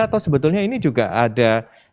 atau sebetulnya ini juga ada